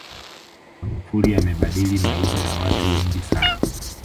magufuli amebadili maisha ya watu wengi sana